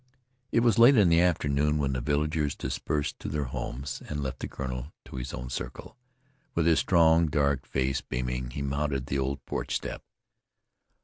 It was late in the afternoon when the villagers dispersed to their homes and left the colonel to his own circle. With his strong, dark face beaming, he mounted the old porch step.